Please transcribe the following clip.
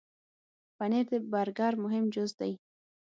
پنېر د برګر مهم جز دی.